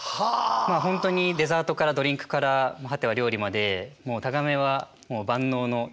まあ本当にデザートからドリンクから果ては料理までもうタガメはもう万能の虫ですね。